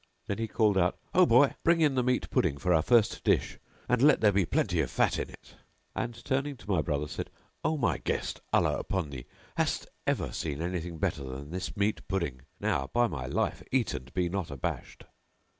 Then he called out, "Ho boy, bring in the meat pudding[FN#687] for our first dish, and let there be plenty of fat in it;" and, turning to my brother said, "O my guest, Allah upon thee, hast ever seen anything better than this meat pudding? Now by my life, eat and be not abashed."